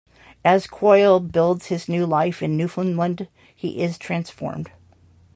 As Quoyle builds his new life in Newfoundland, he is transformed.